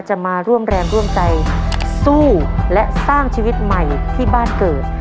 จะมาร่วมแรงร่วมใจสู้และสร้างชีวิตใหม่ที่บ้านเกิด